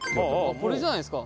これじゃないですか？